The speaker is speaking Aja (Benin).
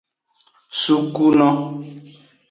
Sukuno.